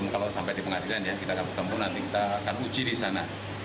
kalau sampai di pengadilan kita akan uji di sana